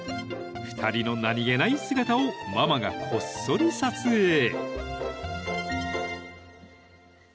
［２人の何げない姿をママがこっそり撮影］